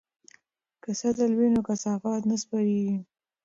که سطل وي نو کثافات نه خپریږي.